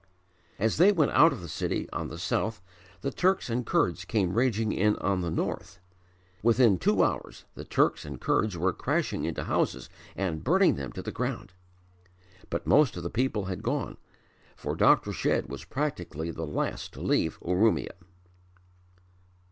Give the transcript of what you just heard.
As they went out of the city on the south the Turks and Kurds came raging in on the north. Within two hours the Turks and Kurds were crashing into houses and burning them to the ground; but most of the people had gone for Dr. Shedd was practically the last to leave Urumia.